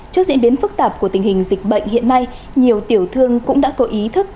trước diễn biến phức tạp của tình hình dịch bệnh hiện nay nhiều tiểu thương cũng đã có ý thức